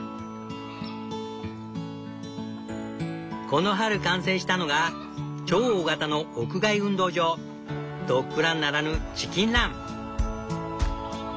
この春完成したのが超大型の屋外運動場ドッグランならぬチキンラン。